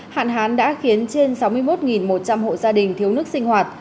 hạn hán đã khiến trên sáu mươi một một trăm linh hộ gia đình thiếu nước sinh hoạt